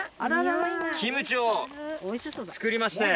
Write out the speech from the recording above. キムチを作りまして。